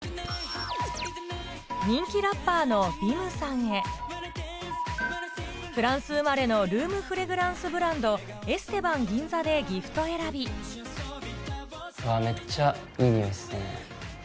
人気ラッパーのＢＩＭさんへフランス生まれのルームフレグランスブランド「ＥＳＴＥＢＡＮＧＩＮＺＡ」でギフト選びわぁめっちゃいい匂いですね。